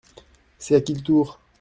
C’est à qui le tour ?